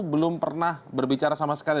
belum pernah berbicara sama sekali